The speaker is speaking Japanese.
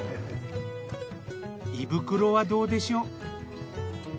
胃袋はどうでしょう？